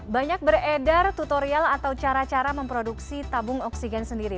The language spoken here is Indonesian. banyak beredar tutorial atau cara cara memproduksi tabung oksigen sendiri